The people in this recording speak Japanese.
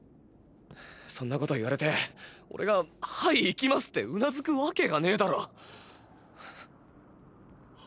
そんなこと言われてオレが「はい行きます」ってうなずくわけがねぇだろ。